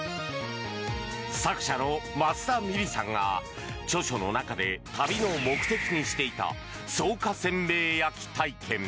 作者の益田ミリさんが著書の中で旅の目的にしていた草加せんべい焼き体験。